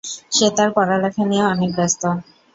সে তার পড়ালেখা নিয়ে অনেক ব্যস্ত।